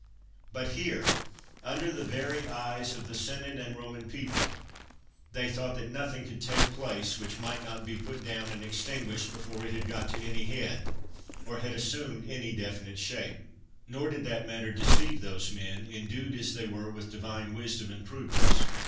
But here, under the very eyes of the senate and Boman people, they thought that nothing could take place which might not be put down and extinguidied before it had got to any 87 THE WORLD'S FAMOUS ORATIONS head, or had assumed any definite shape. Nor did that matter deceive those men, endued as they were with divine wisdom and prudence.